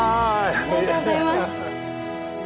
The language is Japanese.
ありがとうございます。